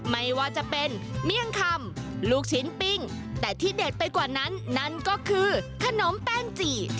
ไม่ว่าจะเป็นเมี่ยงคำลูกชิ้นปิ้งแต่ที่เด็ดไปกว่านั้นนั่นก็คือขนมแป้งจี่